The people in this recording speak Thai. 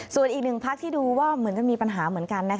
ส่วนอีกหนึ่งพักที่ดูว่าเหมือนจะมีปัญหาเหมือนกัน